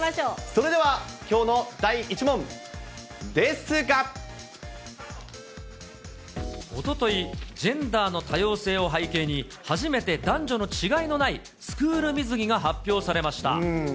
それでは、おととい、ジェンダーの多様性を背景に、初めて男女の違いのないスクール水着が発表されました。